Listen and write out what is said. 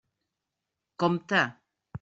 Compte.